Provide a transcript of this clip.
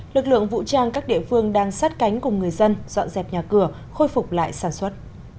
lực lượng vũ trang các địa phương đang sát cánh cùng người dân dọn dẹp nhà cửa khôi phục lại sản xuất